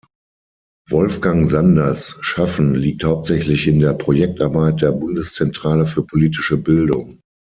Wolfgang Sanders Schaffen liegt hauptsächlich in der Projektarbeit der Bundeszentrale für politische Bildung.